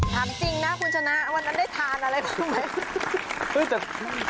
ทำจริงนะคุณชนะวันนั้นได้ทานอะไรเปล่าเลย